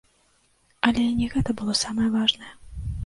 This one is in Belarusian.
Але і не гэта было самае важнае.